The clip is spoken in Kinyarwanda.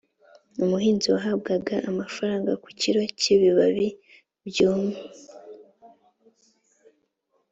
umuhinzi wahabwaga amafaranga ku kilo cy’ibibabi byumye